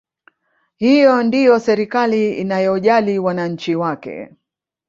Hiyo ndiyo serikali inayojali wananchi wake